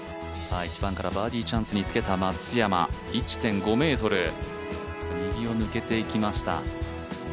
１番からバーディーチャンスにつけた松山、１．５ｍ、右を抜けていきました。